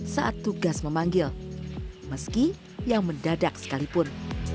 saat tugas memanggil meski yang mendadak sekalipun